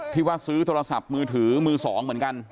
ที่ว่าซื้อโทรศัพท์มือถือมือสองเหมือนกัน